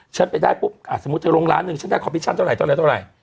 ฉันไปได้ปุ๊บอ่าสมมุติจะลงร้านหนึ่งฉันได้คอมพิชั่นเท่าไหร่